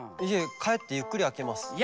いえかえってゆっくりあけます。